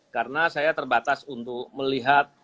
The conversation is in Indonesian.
karena saya terbatas untuk melihat